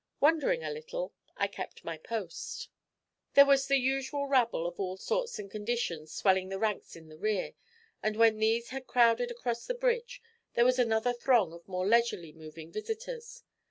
Wondering a little, I kept my post. There was the usual rabble of all sorts and conditions swelling the ranks in the rear, and when these had crowded across the bridge, there was another throng of more leisurely moving visitors.